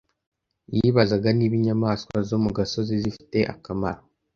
Yibazaga niba inyamaswa zo mu gasozi zifite akamaro